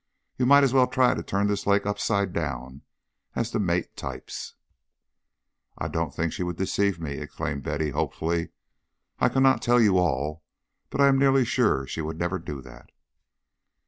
You might as well try to turn this lake upside down as to mate types." "I don't think she would deceive me," exclaimed Betty, hopefully. "I cannot tell you all, but I am nearly sure she would never do that."